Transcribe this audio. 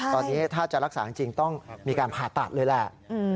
ตอนนี้ถ้าจะรักษาจริงต้องมีการผ่าตัดเลยแหละ